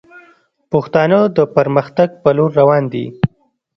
پښتانه د پرمختګ پر لور روان دي